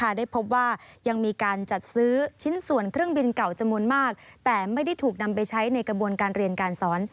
ได้พบว่ายังมีการจัดซื้อชิ้นส่วนเครื่องบินเก่าจำนวนมากแต่ไม่ได้ถูกนำไปใช้ในกระบวนการเรียนการสอน